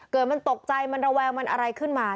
เกิดมันตกใจมันระแวงมันอะไรขึ้นมา